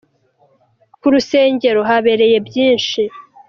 Kurusengero habereye byinshi.